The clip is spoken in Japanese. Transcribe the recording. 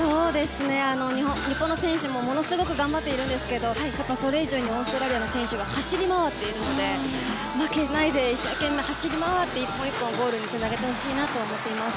日本の選手もものすごく頑張っていますがそれ以上にオーストラリアの選手走り回っているので負けないで一生懸命走り回って１本１本ゴールにつなげてほしいです。